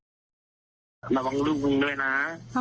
ละวางรูปลูกด้วยนะ